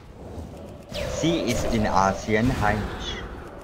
Sie ist in Asien heimisch.